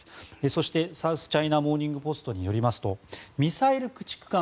そして、サウスチャイナ・モーニング・ポストによりますとミサイル駆逐艦